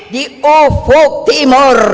di ufuk timur